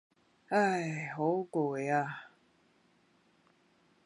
唉，好攰呀